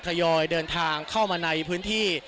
ยอยเดินทางเข้ามาในพื้นที่